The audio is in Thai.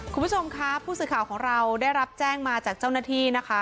คุณผู้ชมค่ะผู้สื่อข่าวของเราได้รับแจ้งมาจากเจ้าหน้าที่นะคะ